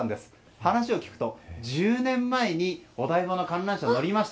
話を聞くと１０年前にお台場の観覧車に乗りました。